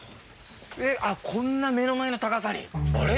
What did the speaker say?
えっあこんな目の前の高さにあれ？